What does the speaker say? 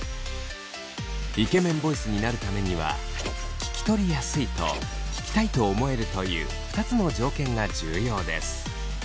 イケメンボイスになるためには聞き取りやすいと聞きたいと思えるという２つの条件が重要です。